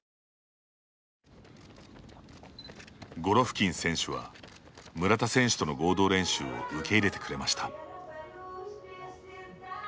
ゴロフキン選手は村田選手との合同練習を受け入れてくれました。